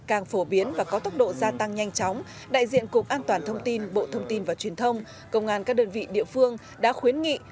càng phổ biến và có tốc độ gia tăng nhanh chóng đại diện cục an toàn thông tin bộ thông tin và truyền thông công an các đơn vị địa phương đã khuyến nghị